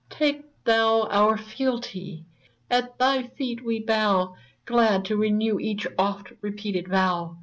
Take thou our fealty ! at thy feet we bow. Glad to renew each oft repeated vow